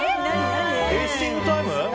テイスティングタイム？